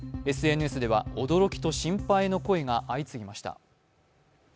ＳＮＳでは驚きと心配の声が相次ぎました。